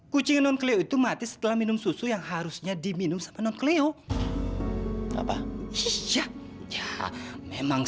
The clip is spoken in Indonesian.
kucing non kleo itu mati setelah minum susu yang harusnya diminum sama non kleo apa siap ya memang